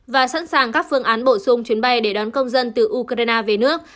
và sẵn sàng các phương án bổ sung chuyến bay để đón công dân từ ukraine về nước